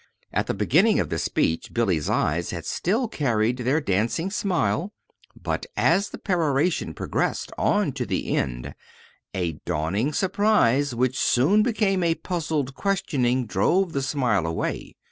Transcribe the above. At the beginning of this speech Billy's eyes had still carried their dancing smile, but as the peroration progressed on to the end, a dawning surprise, which soon became a puzzled questioning, drove the smile away.